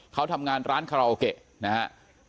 เขาทำงานร้านคาราโอเกะนะครับ